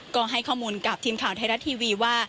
ก็ให้ข้อมูลกับทีมข่าวไทยรัฐทีวีว่า